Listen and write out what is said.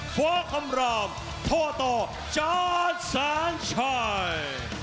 เพาะกำราบโทษต่อจาร์ดแซนชัย